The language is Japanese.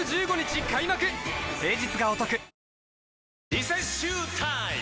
リセッシュータイム！